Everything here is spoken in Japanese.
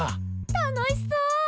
楽しそう！